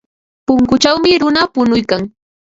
Punkuchawmi runa punuykan.